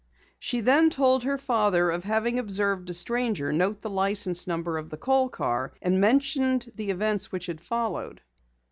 She then told her father of having observed a stranger note the license number of the Kohl car, and mentioned the events which had followed.